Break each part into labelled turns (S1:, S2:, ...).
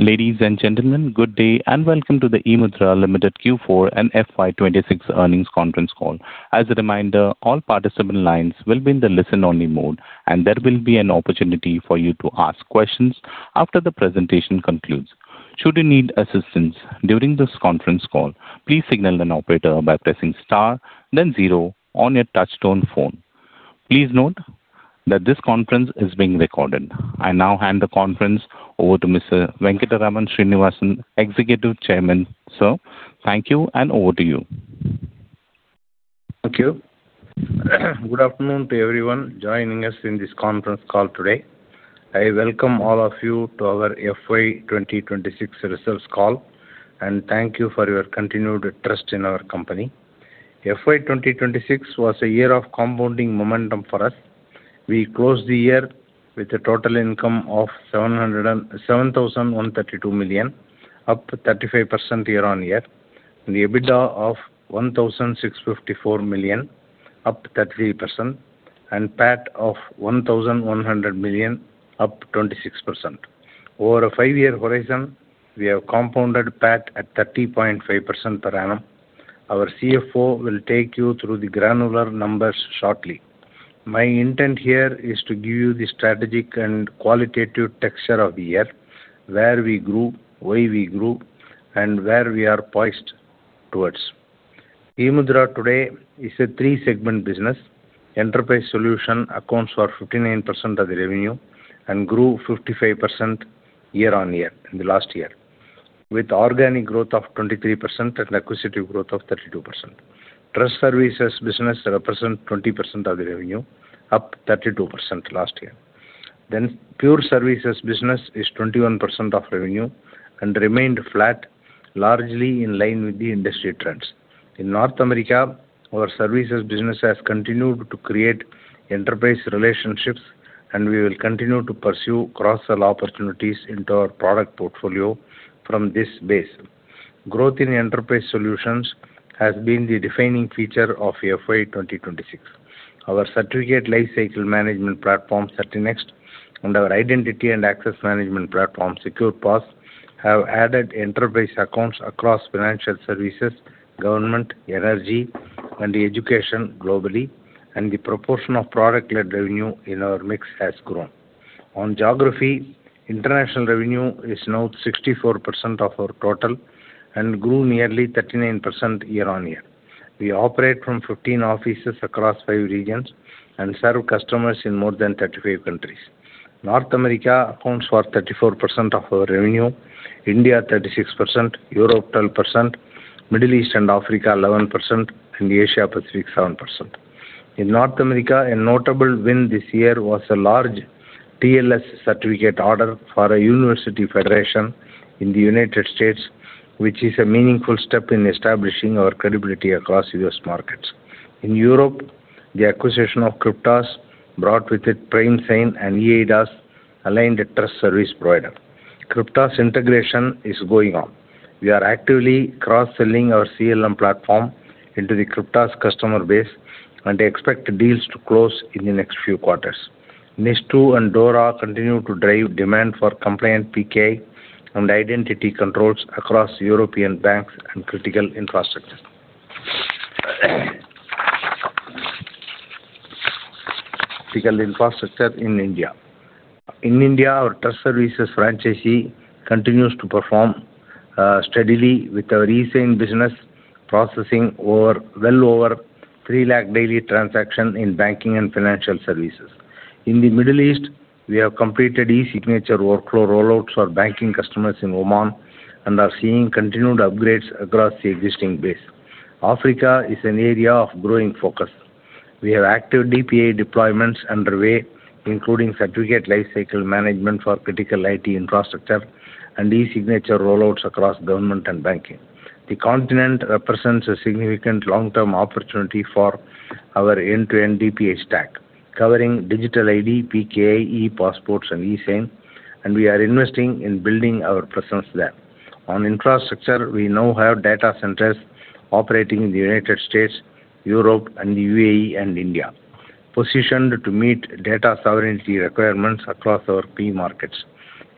S1: Ladies and gentlemen, good day, and welcome to the eMudhra Limited Q4 and FY 2026 Earnings Conference Call. As a reminder, all participant lines will be in the listen only mode, and there will be an opportunity for you to ask questions after the presentation concludes, should you need assistance during this conference call. Please signal an operator by pressing star, then zero on your touch tone phone. Please note that this conference is being recorded. I now hand the conference over to Mr. Venkatraman Srinivasan, Executive Chairman. Sir, thank you, and over to you.
S2: Thank you. Good afternoon to everyone joining us in this conference call today. I welcome all of you to our FY 2026 results call and thank you for your continued trust in our company. FY 2026 was a year of compounding momentum for us. We closed the year with a total income of 7,132 million, up 35% year-on-year, and EBITDA of 1,654 million, up 30%, and PAT of 1,100 million, up 26%. Over a five-year horizon, we have compounded PAT at 30.5% per annum. Our CFO will take you through the granular numbers shortly. My intent here is to give you the strategic and qualitative texture of the year, where we grew, why we grew, and where we are poised towards. eMudhra today is a three-segment business. Enterprise solution accounts for 59% of the revenue and grew 55% year-on-year in the last year, with organic growth of 23% and acquisitive growth of 32%. Trust services business represent 20% of the revenue, up 32% last year. Pure services business is 21% of revenue and remained flat, largely in line with the industry trends. In North America, our services business has continued to create enterprise relationships, and we will continue to pursue cross-sell opportunities into our product portfolio from this base. Growth in enterprise solutions has been the defining feature of FY 2026. Our certificate lifecycle management platform, CertiNext, and our identity and access management platform, SecurePass, have added enterprise accounts across financial services, government, energy, and education globally, and the proportion of product-led revenue in our mix has grown. On geography, international revenue is now 64% of our total and grew nearly 39% year on year. We operate from 15 offices across five regions and serve customers in more than 35 countries. North America accounts for 34% of our revenue, India 36%, Europe 12%, Middle East and Africa 11%, and Asia Pacific 7%. In North America, a notable win this year was a large TLS certificate order for a university federation in the United States, which is a meaningful step in establishing our credibility across U.S. markets. In Europe, the acquisition of CRYPTAS brought with it primesign and eIDAS-aligned trust service provider. CRYPTAS integration is going on. We are actively cross-selling our CLM platform into the CRYPTAS customer base and expect deals to close in the next few quarters. NIS 2 Directive and DORA continue to drive demand for compliant PKI and identity controls across European banks and critical infrastructure. Critical infrastructure in India. In India, our trust services franchisee continues to perform steadily with our eSign business processing well over 3 lakh daily transaction in banking and financial services. In the Middle East, we have completed eSignature workflow rollouts for banking customers in Oman and are seeing continued upgrades across the existing base. Africa is an area of growing focus. We have active DPA deployments underway, including certificate lifecycle management for critical IT infrastructure and eSignature rollouts across government and banking. The continent represents a significant long-term opportunity for our end-to-end DPA stack, covering digital ID, PKI, ePassports and eSign, and we are investing in building our presence there. On infrastructure, we now have data centers operating in the United States, Europe and the U.A.E. and India, positioned to meet data sovereignty requirements across our key markets.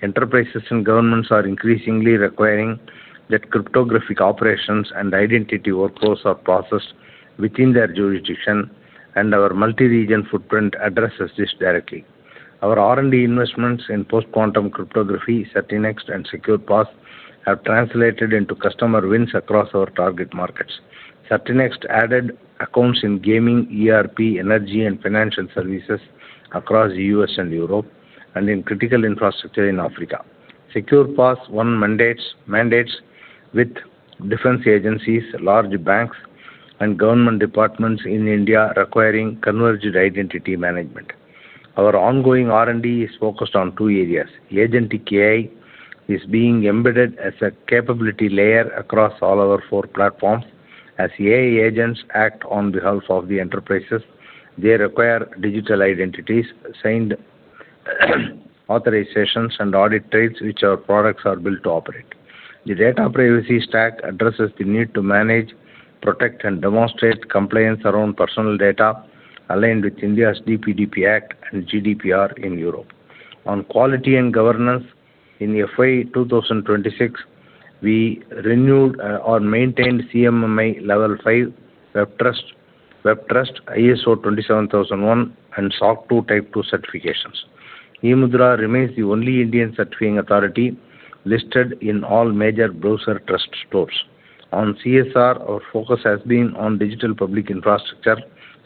S2: Enterprises and governments are increasingly requiring that cryptographic operations and identity workflows are processed within their jurisdiction, and our multi-region footprint addresses this directly. Our R&D investments in post-quantum cryptography, CertiNext and SecurePass, have translated into customer wins across our target markets. CertiNext added accounts in gaming, ERP, energy and financial services across U.S. and Europe and in critical infrastructure in Africa. SecurePass won mandates with defense agencies, large banks and government departments in India requiring Converged Identity management. Our ongoing R&D is focused on two areas. Agentic AI is being embedded as a capability layer across all our four platforms. As AI agents act on behalf of the enterprises, they require digital identities, signed authorizations and audit trails which our products are built to operate. The data privacy stack addresses the need to manage, protect, and demonstrate compliance around personal data aligned with India's DPDP Act and GDPR in Europe. On quality and governance in FY 2026, we renewed or maintained CMMI Level 5 WebTrust, ISO 27001, and SOC 2 Type 2 certifications. eMudhra remains the only Indian certifying authority listed in all major browser trust stores. On CSR, our focus has been on digital public infrastructure,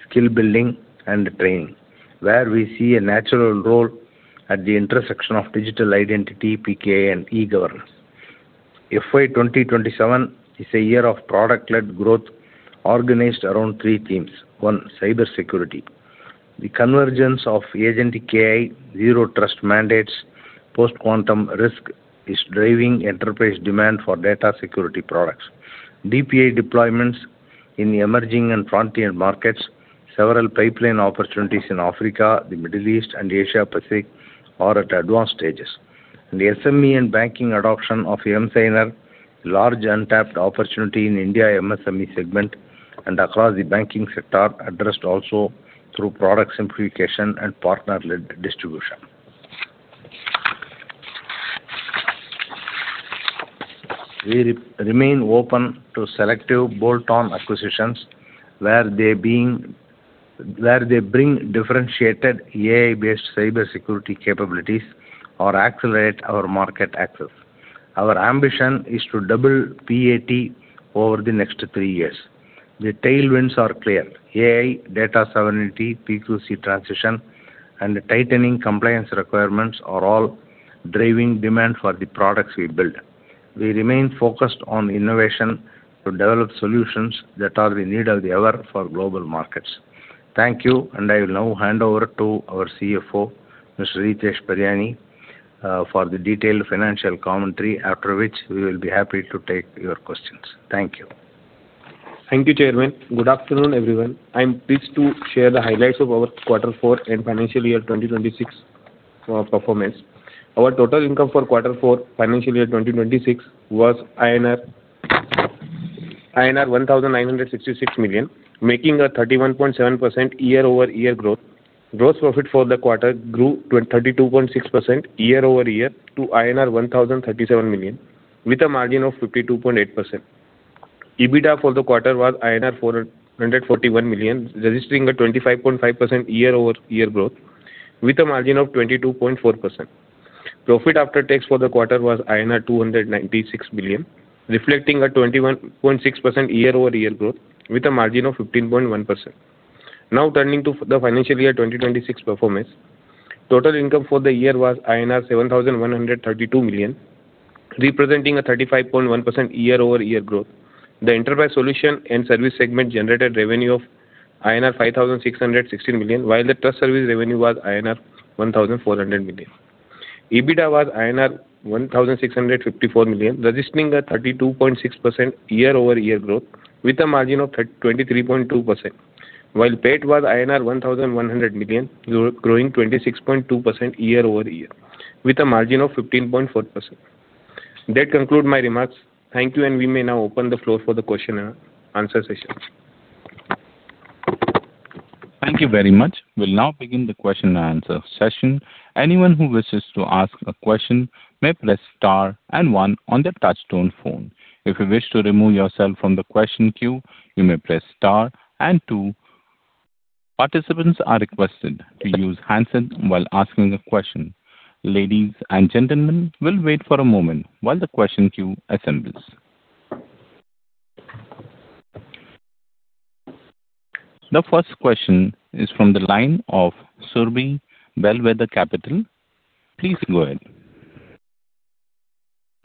S2: skill building and training, where we see a natural role at the intersection of digital identity, PKI and [eGovernance]. FY 2027 is a year of product-led growth organized around three themes. One, cybersecurity. The convergence of Agentic AI, Zero Trust mandates, post-quantum risk is driving enterprise demand for data security products. DPI deployments in the emerging and frontier markets, several pipeline opportunities in Africa, the Middle East and Asia Pacific are at advanced stages. The SME and banking adoption of emSigner, large untapped opportunity in India MSME segment and across the banking sector, addressed also through product simplification and partner-led distribution. We remain open to selective bolt-on acquisitions where they bring differentiated AI-based cybersecurity capabilities or accelerate our market access. Our ambition is to double PAT over the next three years. The tailwinds are clear. AI, data sovereignty, PQC transition and tightening compliance requirements are all driving demand for the products we build. We remain focused on innovation to develop solutions that are the need of the hour for global markets. Thank you. I will now hand over to our CFO, Mr. Ritesh Pariyani, for the detailed financial commentary, after which we will be happy to take your questions. Thank you.
S3: Thank you, Chairman. Good afternoon, everyone. I'm pleased to share the highlights of our quarter four and financial year 2026 performance. Our total income for quarter four, financial year 2026 was INR 1,966 million, making a 31.7% year-over-year growth. Gross profit for the quarter grew 32.6% year-over-year to INR 1,037 million with a margin of 52.8%. EBITDA for the quarter was INR 441 million, registering a 25.5% year-over-year growth with a margin of 22.4%. Profit after tax for the quarter was INR 296 million, reflecting a 21.6% year-over-year growth with a margin of 15.1%. Now, turning to the financial year 2026 performance. Total income for the year was INR 7,132 million, representing a 35.1% year-over-year growth. The enterprise solution and service segment generated revenue of INR 5,616 million, while the trust service revenue was INR 1,400 million. EBITDA was INR 1,654 million, registering a 32.6% year-over-year growth with a margin of 23.2%. While PAT was INR 1,100 million, growing 26.2% year-over-year with a margin of 15.4%. That conclude my remarks. Thank you. We may now open the floor for the question and answer session.
S1: Thank you very much. We'll now begin the question and answer session. Anyone who wishes to ask a question may press star and one on their touchtone phone. If you wish to remove yourself from the question queue, you may press star and two. Participants are requested to use handsets while asking a question. Ladies and gentlemen, we'll wait for a moment while the question queue assembles. The first question is from the line of Surbhi, Bellwether Capital. Please go ahead.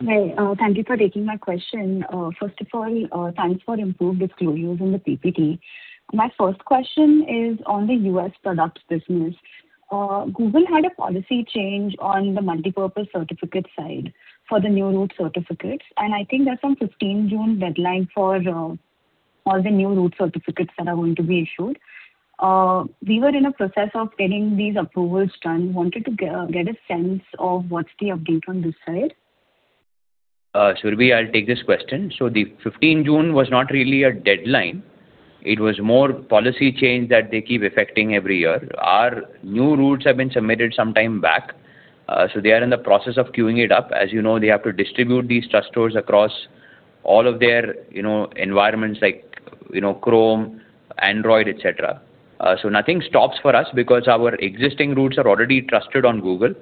S4: Hi. Thank you for taking my question. First of all, thanks for improved disclosures in the PPT. My first question is on the U.S. products business. Google had a policy change on the multipurpose certificate side for the new root certificates, and I think that's on 15 June deadline for all the new root certificates that are going to be issued. We were in a process of getting these approvals done. Wanted to get a sense of what's the update on this side.
S2: Surbhi, I'll take this question. The 15 June was not really a deadline. It was more policy change that they keep effecting every year. Our new roots have been submitted some time back, they are in the process of queuing it up. As you know, they have to distribute these trust stores across all of their, you know, environments like, you know, Chrome, Android, etc. Nothing stops for us because our existing roots are already trusted on Google,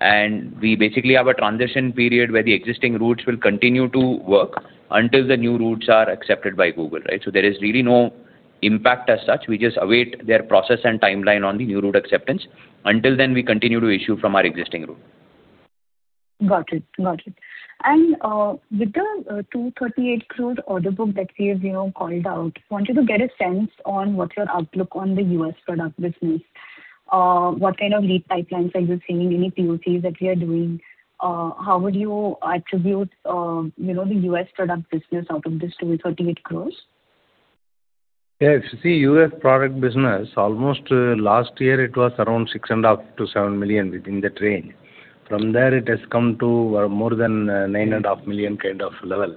S2: and we basically have a transition period where the existing roots will continue to work until the new roots are accepted by Google, right? There is really no impact as such. We just await their process and timeline on the new root acceptance. Until then, we continue to issue from our existing root.
S4: Got it. Got it. With the 238 crore order book that we have, you know, called out, wanted to get a sense on what's your outlook on the U.S. product business. What kind of lead pipelines are you seeing? Any POCs that you're doing? How would you attribute, you know, the U.S. product business out of this 238 crore?
S2: Yes. If you see U.S. product business, almost last year it was around $6.5 million-$7 million within that range. From there it has come to more than $9.5 million kind of level.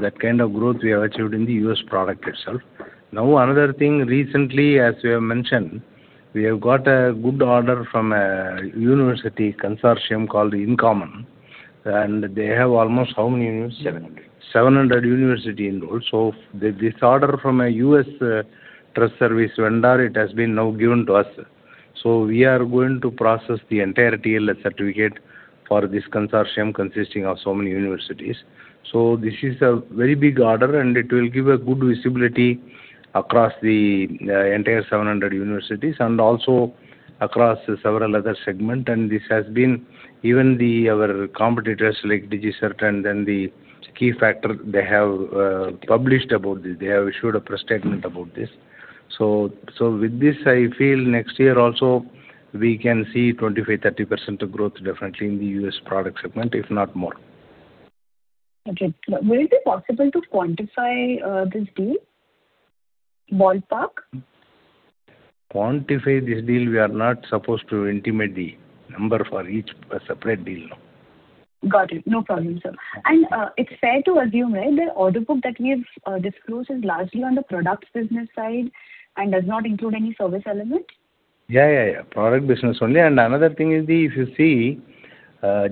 S2: That kind of growth we have achieved in the U.S. product itself. Another thing, recently, as we have mentioned, we have got a good order from a University Consortium called InCommon, and they have almost how many universities?
S5: 700.
S2: 700 university involved. This order from a U.S. trust service vendor, it has been now given to us. We are going to process the entire TLS certificate for this consortium consisting of so many universities. This is a very big order, and it will give a good visibility across the entire 700 universities and also across several other segment. This has been even the our competitors like DigiCert and then the Keyfactor, they have published about this. They have issued a press statement about this. With this, I feel next year also we can see 25%-30% growth definitely in the U.S. product segment, if not more.
S4: Okay. Will it be possible to quantify, this deal? Ballpark?
S2: Quantify this deal, we are not supposed to intimate the number for each separate deal.
S4: Got it. No problem, sir. It's fair to assume, right, the order book that we have disclosed is largely on the products business side and does not include any service element?
S2: Yeah, yeah, product business only. Another thing is the-- if you see,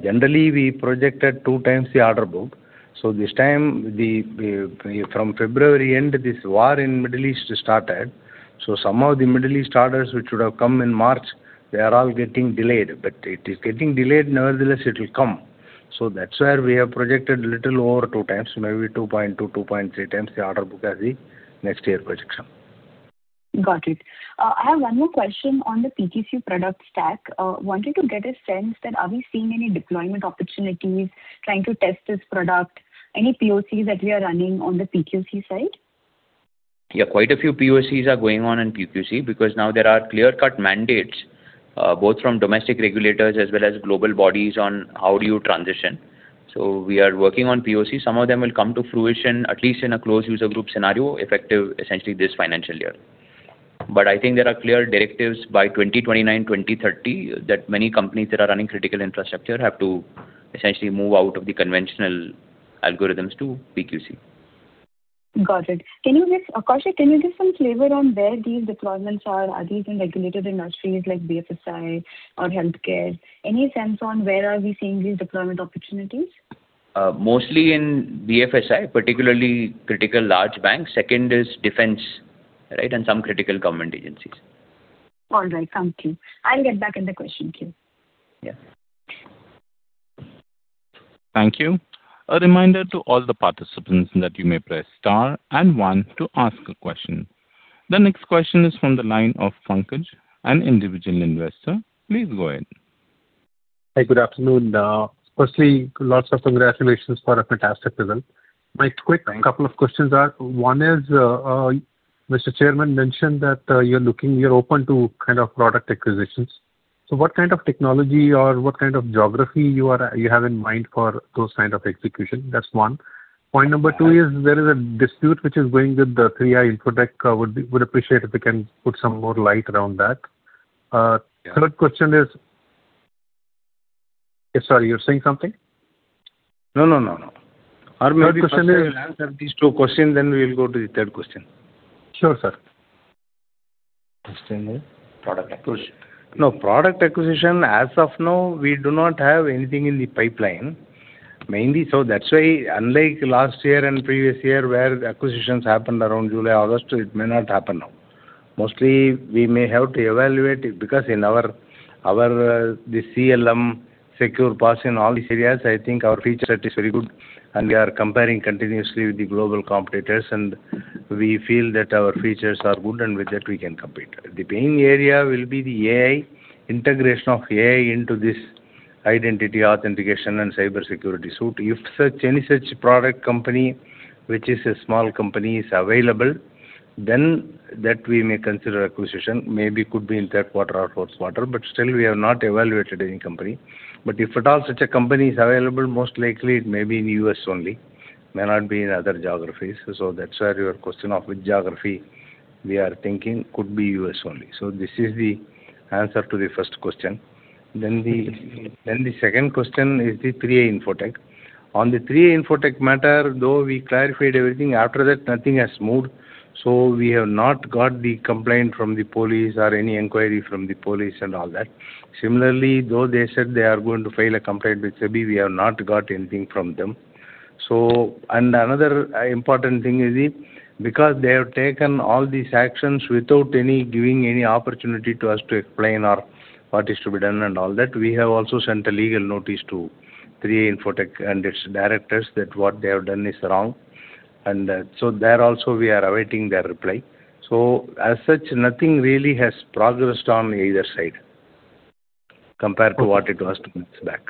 S2: generally we projected 2x the order book. This time, from February end, this war in Middle East started. Some of the Middle East orders which would have come in March, they are all getting delayed. It is getting delayed, nevertheless, it will come. That's where we have projected little over 2x, maybe 2x-2.3x the order book as the next year projection.
S4: Got it. I have one more question on the PQC product stack. wanted to get a sense that are we seeing any deployment opportunities trying to test this product? Any POCs that we are running on the PQC side?
S5: Yeah. Quite a few POCs are going on in PQC because now there are clear-cut mandates, both from domestic regulators as well as global bodies on how do you transition. We are working on POC. Some of them will come to fruition at least in a closed user group scenario, effective essentially this financial year. I think there are clear directives by 2029, 2030 that many companies that are running critical infrastructure have to essentially move out of the conventional algorithms to PQC.
S4: Got it. Can you give, Kaushik, can you give some flavor on where these deployments are? Are these in regulated industries like BFSI or healthcare? Any sense on where are we seeing these deployment opportunities?
S5: Mostly in BFSI, particularly critical large banks. Second is defense, right, and some critical government agencies.
S4: All right. Thank you. I'll get back in the question queue.
S5: Yeah.
S1: Thank you. A reminder to all the participants that you may press star and one to ask a question. The next question is from the line of [Pankaj], an individual investor. Please go ahead.
S6: Hey, good afternoon. Firstly, lots of congratulations for a fantastic result.
S2: Thank you.
S6: My quick couple of questions are, one is, Mr. Chairman mentioned that, you’re looking you're open to kind of product acquisitions. What kind of technology or what kind of geography you have in mind for those kind of execution? That’s one. Point number two is there is a dispute which is going with the 3i Infotech, would appreciate if you can put some more light around that.
S2: Yeah.
S6: Third question is, yeah, sorry, you were saying something?
S2: No, no, no.
S6: Third question is—
S2: Maybe firstly we'll answer these two questions, then we will go to the third question.
S6: Sure, sir.
S2: First one is?
S5: Product acquisition.
S2: Product acquisition, as of now, we do not have anything in the pipeline. Mainly, that's why unlike last year and previous year, where acquisitions happened around July, August, it may not happen now. Mostly we may have to evaluate it because in our CLM SecurePass in all these areas, I think our feature set is very good and we are comparing continuously with the global competitors, and we feel that our features are good and with that we can compete. The main area will be the AI, integration of AI into this identity authentication and cybersecurity suite. If any such product company which is a small company is available, that we may consider acquisition. Maybe could be in third quarter or fourth quarter. Still we have not evaluated any company. If at all such a company is available, most likely it may be in U.S. only. May not be in other geographies. That's where your question of which geography we are thinking could be U.S. only. This is the answer to the first question. Then, the second question is the 3i Infotech. On the 3i Infotech matter, though we clarified everything, after that nothing has moved. We have not got the complaint from the police or any inquiry from the police and all that. Similarly, though they said they are going to file a complaint with SEBI, we have not got anything from them. Another important thing is the, because they have taken all these actions without giving any opportunity to us to explain or what is to be done and all that, we have also sent a legal notice to 3i Infotech and its directors that what they have done is wrong. There also we are awaiting their reply. As such, nothing really has progressed on either side compared to what it was two months back.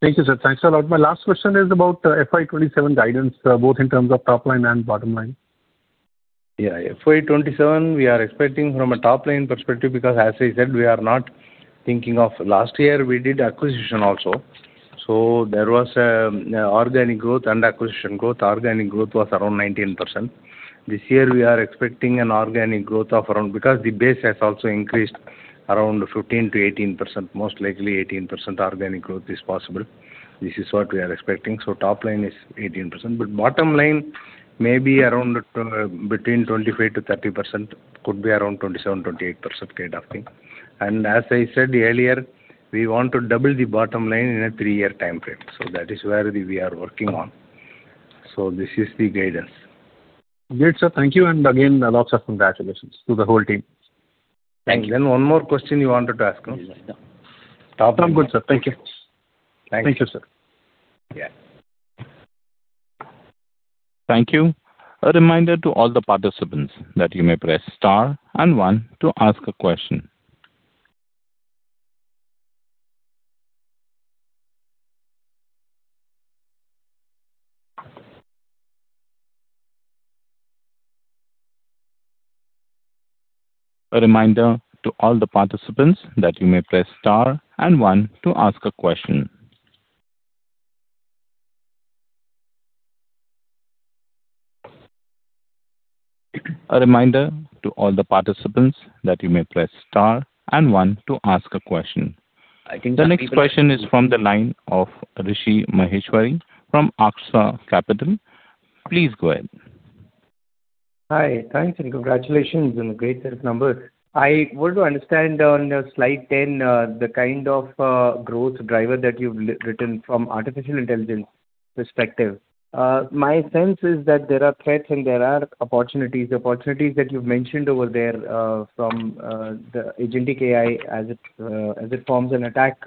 S6: Thank you, sir. Thanks a lot. My last question is about FY 2027 guidance, both in terms of top line and bottom line.
S2: Yeah. FY 2027, we are expecting from a top-line perspective, because as I said that we are not thinking of last year, we did acquisition also. There was organic growth and acquisition growth. Organic growth was around 19%. This year, we are expecting an organic growth because the base has also increased around 15%-18%, most likely 18% organic growth is possible. This is what we are expecting. Top line is 18%, but bottom line maybe around between 25%-30%. Could be around 27%, 28% kind of thing. As I said earlier, we want to double the bottom line in a three-year time frame. That is where we are working on. This is the guidance.
S6: Great, sir. Thank you. Again, lots of congratulations to the whole team.
S5: Thank you.
S2: One more question you wanted to ask.
S6: No, I'm good, sir. Thank you.
S2: Thank you.
S6: Thank you, sir.
S2: Yeah.
S1: Thank you. A reminder to all the participants that you may press star and one to ask a question. A reminder to all the participants that you may press star and one to ask a question. A reminder to all the participants that you may press star and one to ask a question.
S2: I think-
S1: The next question is from the line of Rishi Maheshwari from Aksa Capital. Please go ahead.
S7: Hi. Thanks, and congratulations on the great set of numbers. I want to understand on slide 10, the kind of growth driver that you've written from artificial intelligence perspective. My sense is that there are threats and there are opportunities. Opportunities that you've mentioned over there, from the Agentic AI as it as it forms an attack,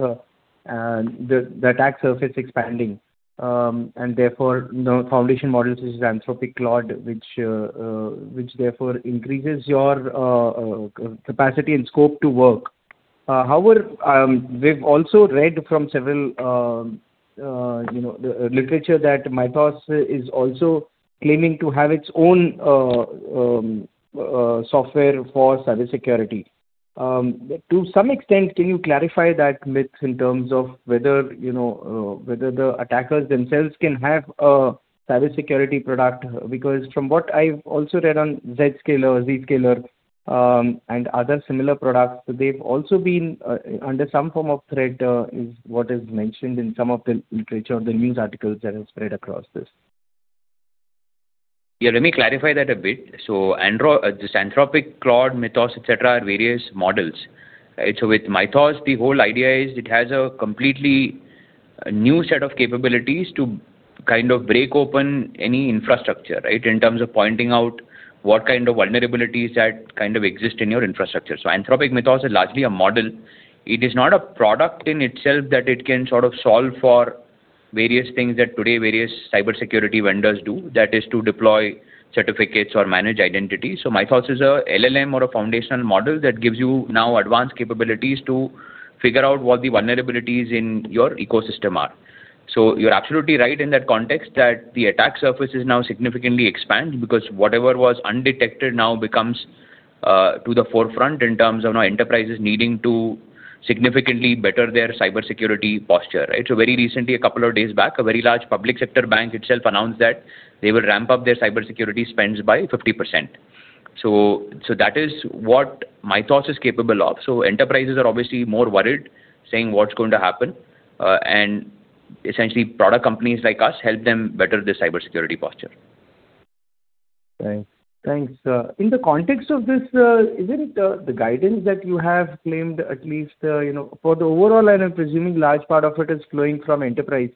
S7: and the attack surface expanding. Therefore, you know, foundation models is Anthropic Claude, which increases your capacity and scope to work. However, we've also read from several, you know, literature that Mythos is also claiming to have its own software for cybersecurity. To some extent, can you clarify that myth in terms of whether, you know, whether the attackers themselves can have a cybersecurity product? Because from what I've also read on [Zscaler], and other similar products, they've also been under some form of threat, is what is mentioned in some of the literature or the news articles that have spread across this.
S5: Let me clarify that a bit. This Anthropic, Claude, Mythos, et cetera, are various models, right? With Mythos, the whole idea is it has a completely new set of capabilities to kind of break open any infrastructure, right? In terms of pointing out what kind of vulnerabilities that kind of exist in your infrastructure. Anthropic Mythos is largely a model. It is not a product in itself that it can sort of solve for various things that today various cyber security vendors do. That is to deploy certificates or manage identity. Mythos is a LLM or a foundational model that gives you now advanced capabilities to figure out what the vulnerabilities in your ecosystem are. You're absolutely right in that context that the attack surface is now significantly expanded because whatever was undetected now becomes to the forefront in terms of now enterprises needing to significantly better their cybersecurity posture, right? Very recently, a couple of days back, a very large public sector bank itself announced that they will ramp up their cybersecurity spends by 50%. That is what Mythos is capable of. Enterprises are obviously more worried, saying what's going to happen. Essentially product companies like us help them better their cybersecurity posture.
S7: Thanks. Thanks, sir. In the context of this, isn't the guidance that you have claimed at least, you know, for the overall, and I'm presuming large part of it is flowing from enterprise,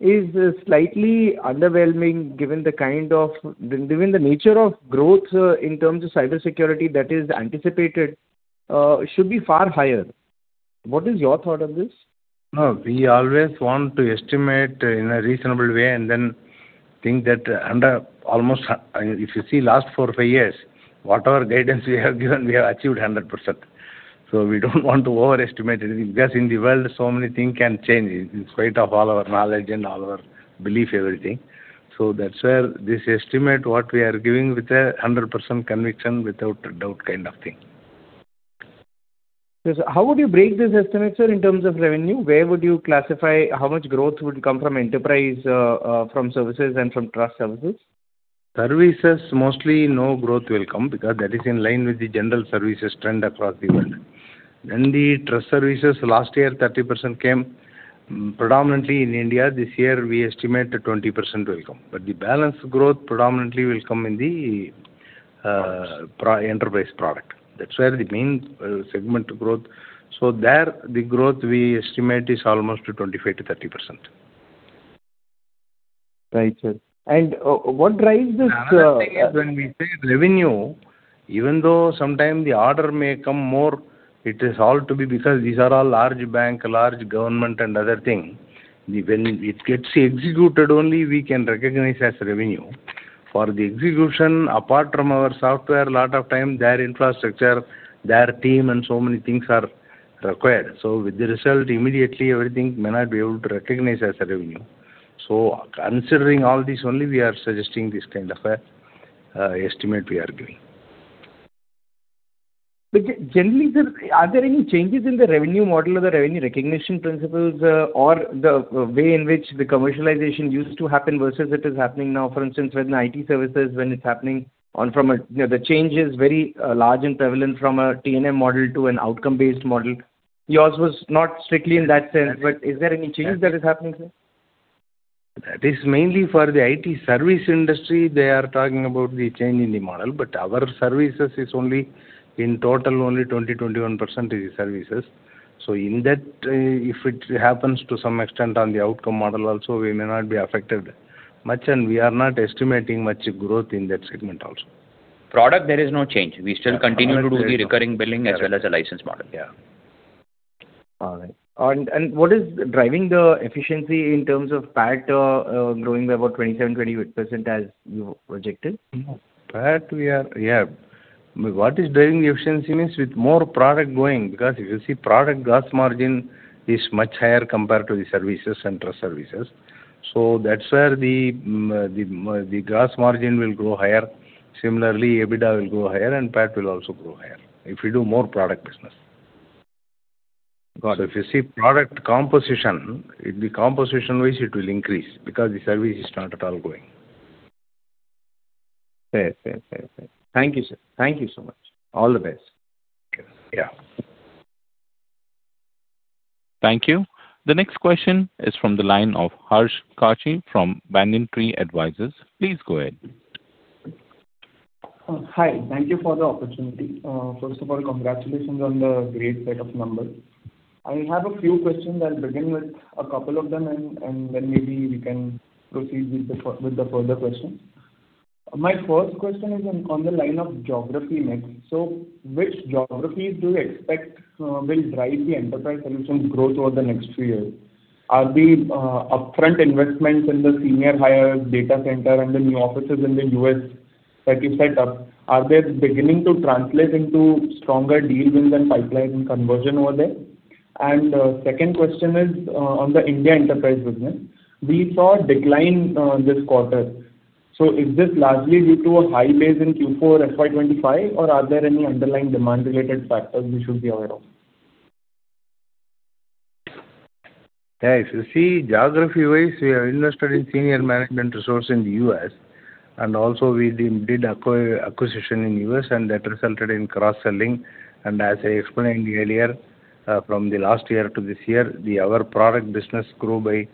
S7: is slightly underwhelming given the nature of growth, in terms of cybersecurity that is anticipated, should be far higher. What is your thought on this?
S2: No, we always want to estimate in a reasonable way and then think that under almost, if you see last four or five years, whatever guidance we have given, we have achieved 100%. We don't want to overestimate anything because in the world so many thing can change in spite of all our knowledge and all our belief, everything. That's where this estimate what we are giving with a 100% conviction, without a doubt kind of thing.
S7: Yes. How would you break this estimate, sir, in terms of revenue? Where would you classify how much growth would come from enterprise, from services and from trust services?
S2: Services, mostly no growth will come because that is in line with the general services trend across the world. Then, the trust services, last year 30% came predominantly in India. This year we estimate 20% will come. The balance growth predominantly will come in the, pro—enterprise product. That's where the main segment growth. There the growth we estimate is almost 25%-30%.
S7: Right, sir. What drives this?
S2: Another thing is when we say revenue, even though sometimes the order may come more, it is all because these are all large bank, large government, and other things. When it gets executed, only we can recognize as revenue. For the execution, apart from our software, a lot of time their infrastructure, their team, and so many things are required. With the result, immediately everything may not be able to recognize as revenue. Considering all this only, we are suggesting this kind of an estimate we are giving.
S7: Generally, sir, are there any changes in the revenue model or the revenue recognition principles, or the way in which the commercialization used to happen versus it is happening now? For instance, within IT services when it's happening from a You know, the change is very large and prevalent from a T&M model to an outcome-based model. Yours was not strictly in that sense, is there any change that is happening, sir?
S2: That is mainly for the IT service industry. They are talking about the change in the model, but our services is only, in total only 20%-21% is services. In that, if it happens to some extent on the outcome model also, we may not be affected much, and we are not estimating much growth in that segment also.
S5: Product, there is no change. We still continue to do the recurring billing as well as a license model.
S7: All right. What is driving the efficiency in terms of PAT, growing by about [27%-28%] as you projected?
S2: That we have, we have. What is driving the efficiency means with more product going, because if you see product gross margin is much higher compared to the services and trust services. That's where the gross margin will grow higher. Similarly, EBITDA will grow higher, and PAT will also grow higher if we do more product business.
S7: Got it.
S2: If you see product composition, the composition-wise it will increase because the service is not at all growing.
S7: Fair. Fair. Fair. Fair. Thank you, sir. Thank you so much. All the best.
S2: Okay. Yeah.
S1: Thank you. The next question is from the line of Harsh Kachchhi from Banyan Tree Advisors. Please go ahead.
S8: Hi. Thank you for the opportunity. First of all, congratulations on the great set of numbers. I have a few questions. I'll begin with a couple of them, and then maybe we can proceed with the further questions. My first question is on the line of geography mix. Which geographies do you expect will drive the enterprise solutions growth over the next few years? Are the upfront investments in the senior hires, data center, and the new offices in the U.S. that you set up, are they beginning to translate into stronger deal wins and pipeline conversion over there? Second question is on the India enterprise business. We saw a decline this quarter. Is this largely due to a high base in Q4 FY 2025, or are there any underlying demand-related factors we should be aware of?
S2: Yes. You see, geography-wise, we have invested in senior management resource in the U.S., also we did acquisition in U.S., and that resulted in cross-selling. As I explained earlier, from the last year to this year, our product business grew by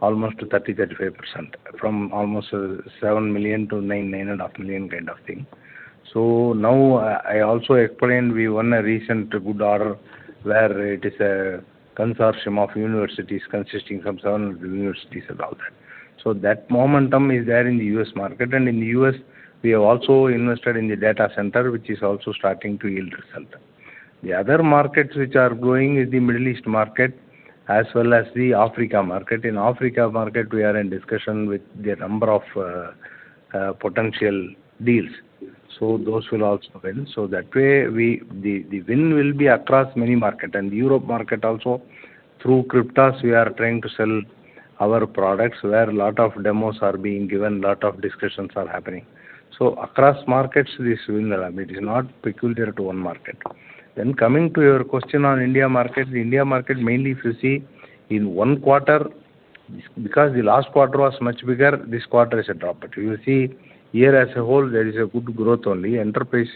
S2: almost 30%-35%, from almost $7 million to $9.5 million kind of thing. Now, I also explained we won a recent good order where it is a consortium of universities consisting of seven universities and all that. That momentum is there in the U.S. market. In the U.S., we have also invested in the data center, which is also starting to yield result. The other markets which are growing is the Middle East market as well as the Africa market. In Africa market, we are in discussion with a number of potential deals, so those will also win. That way we the win will be across many market. Europe market also, through CRYPTAS we are trying to sell our products, where a lot of demos are being given, lot of discussions are happening. Across markets, this will allow. It is not peculiar to one market. Coming to your question on India market. The India market mainly if you see, in one quarter, because the last quarter was much bigger, this quarter is a drop. You will see year as a whole, there is a good growth only. Enterprise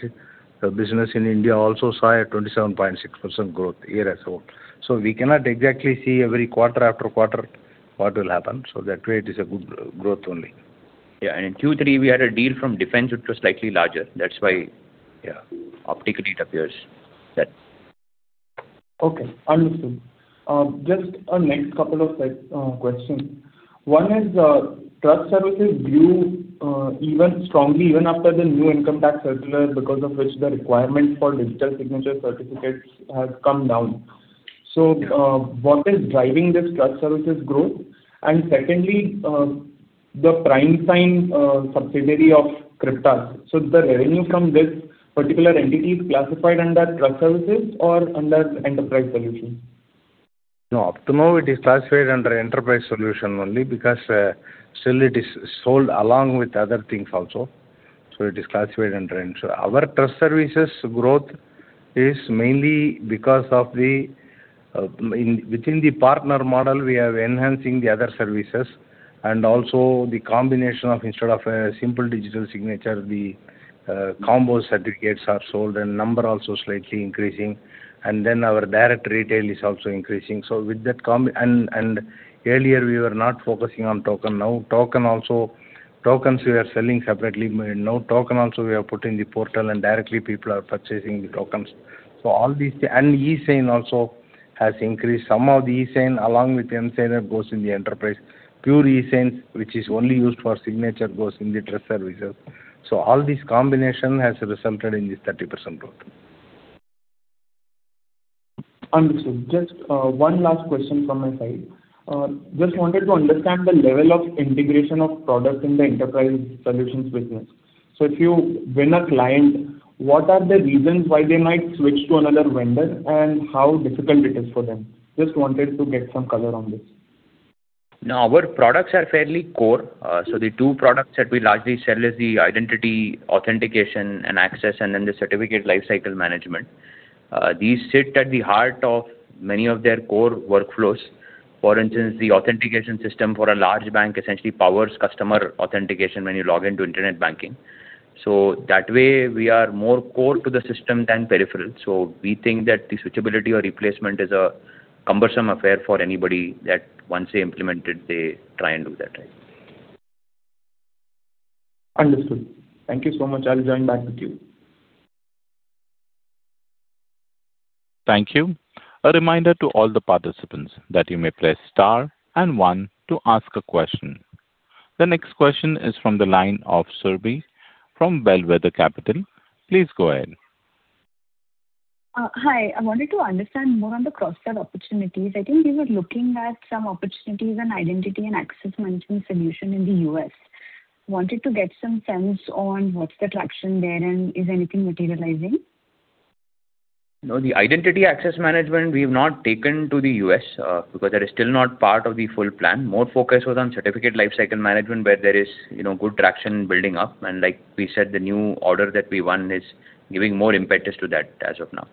S2: business in India also saw a 27.6% growth year as a whole. We cannot exactly see every quarter after quarter what will happen. That way it is a good growth only.
S5: Yeah. In Q3, we had a deal from defense, which was slightly larger. That's why, yeah, optically it appears that.
S8: Okay. Understood. Just next couple of questions. One is, trust services grew even strongly after the new income tax circular because of which the requirement for digital signature certificates has come down. What is driving this trust services growth? Secondly, the primesign subsidiary of CRYPTAS, so is the revenue from this particular entity classified under trust services or under enterprise solutions?
S2: No. Up to now, it is classified under enterprise solution only because still it is sold along with other things also. It is classified under. Our trust services growth is mainly because of the within the partner model, we are enhancing the other services and also the combination of instead of a simple digital signature, the combo certificates are sold, and number also slightly increasing. Then our direct retail is also increasing. With that combi. Earlier we were not focusing on token. Now token also, tokens we are selling separately. Now token also we have put in the portal, and directly people are purchasing the tokens. All these. eSign also has increased. Some of the eSign along with emSigner goes in the enterprise. Pure eSign, which is only used for signature, goes in the trust services. All this combination has resulted in this 30% growth.
S8: Understood. Just one last question from my side. Just wanted to understand the level of integration of product in the enterprise solutions business. If you win a client, what are the reasons why they might switch to another vendor, and how difficult it is for them? Just wanted to get some color on this.
S5: No, our products are fairly core. The two products that we largely sell is the identity authentication and access, and then the certificate lifecycle management. These sit at the heart of many of their core workflows. For instance, the authentication system for a large bank essentially powers customer authentication when you log into internet banking. That way, we are more core to the system than peripheral. We think that the switchability or replacement is a cumbersome affair for anybody that once they implement it, they try and do that right.
S8: Understood. Thank you so much. I will join back with you.
S1: Thank you. A reminder to all the participants that you may press star and one to ask a question. The next question is from the line of Surbhi from Bellwether Capital. Please go ahead.
S4: Hi. I wanted to understand more on the cross-sell opportunities. I think you were looking at some opportunities on identity and access management solution in the U.S. Wanted to get some sense on what's the traction there and is anything materializing?
S5: The identity access management, we've not taken to the U.S. because that is still not part of the full plan. More focus was on certificate lifecycle management where there is, you know, good traction building up. Like we said, the new order that we won is giving more impetus to that as of now.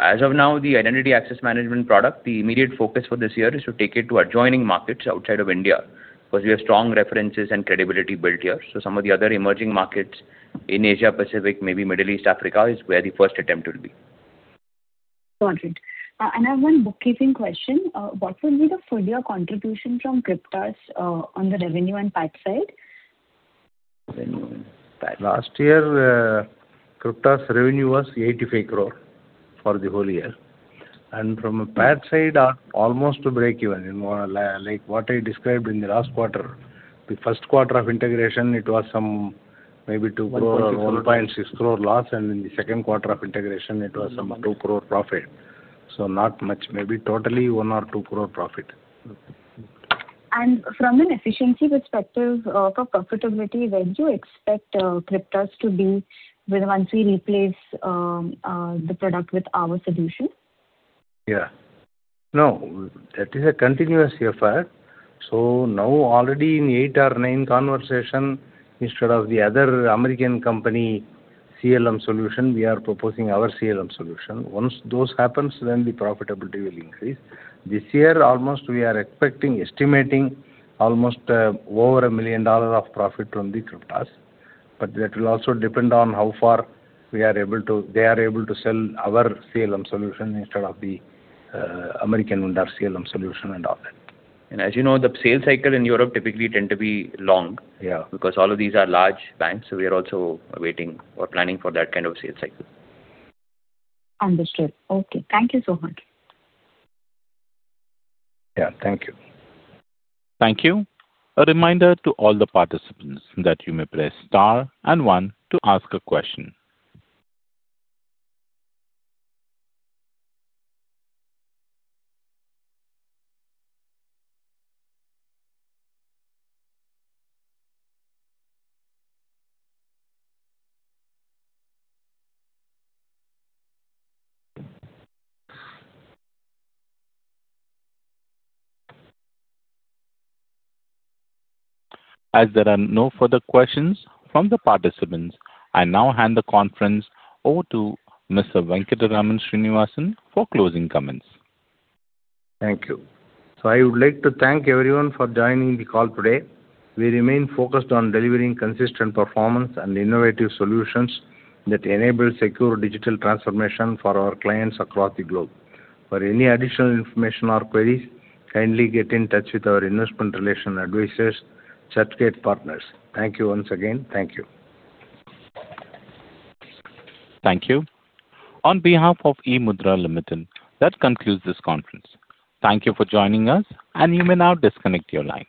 S5: As of now, the identity access management product, the immediate focus for this year is to take it to adjoining markets outside of India, because we have strong references and credibility built here. Some of the other emerging markets in Asia-Pacific, maybe Middle East, Africa is where the first attempt will be.
S4: Got it. I have one bookkeeping question. What will be the full year contribution from CRYPTAS on the revenue and PAT side?
S5: Revenue and PAT.
S2: Last year, CRYPTAS revenue was 85 crore for the whole year. From a PAT side, almost breakeven. You know, like what I described in the last quarter. The first quarter of integration it was some maybe 2 crore. or 1.6 crore loss, In the second quarter of integration it was some 2 crore profit. Not much, maybe totally 1 crore or 2 crore profit.
S4: From an efficiency perspective, for profitability, where do you expect CRYPTAS to be with once we replace the product with our solution?
S2: Yeah. No, that is a continuous affair. Now already in eight or nine conversation instead of the other American company CLM solution, we are proposing our CLM solution. Once those happens then the profitability will increase. This year almost we are expecting, estimating almost over $1 million of profit from CRYPTAS. That will also depend on how far they are able to sell our CLM solution instead of the American CLM solution and all that.
S5: As you know, the sales cycle in Europe typically tend to be long.
S2: Yeah.
S5: Because all of these are large banks, so we are also waiting or planning for that kind of sales cycle.
S4: Understood. Okay. Thank you so much.
S2: Yeah. Thank you.
S1: Thank you. A reminder to all the participants that you may press star and one to ask a question. As there are no further questions from the participants, I now hand the conference over to Mr. Venkatraman Srinivasan for closing comments.
S2: Thank you. I would like to thank everyone for joining the call today. We remain focused on delivering consistent performance and innovative solutions that enable secure digital transformation for our clients across the globe. For any additional information or queries, kindly get in touch with our investment relation advisors, Churchgate Partners. Thank you once again. Thank you.
S1: Thank you. On behalf of eMudhra Limited, that concludes this conference. Thank you for joining us and you may now disconnect your line.